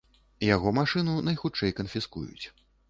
Яго машыну найхутчэй канфіскуюць.